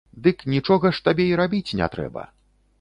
Дык нічога ж табе і рабіць не трэба.